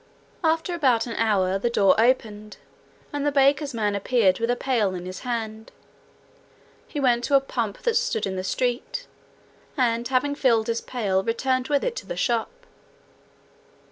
After about an hour, the door opened, and the baker's man appeared with a pail in his hand. He went to a pump that stood in the street, and having filled his pail returned with it into the shop.